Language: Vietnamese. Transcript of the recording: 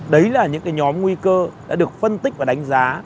đấy là những cái nhóm nguy cơ đã được phân tích và đánh giá